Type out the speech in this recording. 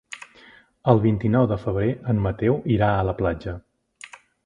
El vint-i-nou de febrer en Mateu irà a la platja.